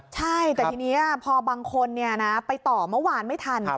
ใช่แต่ทีนี้พอบางคนไปต่อเมื่อวานไม่ทัน